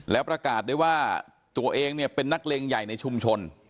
แล้วประกาศได้ว่าตัวเองเนี่ยเป็นนักเลงใหญ่ในชุมชน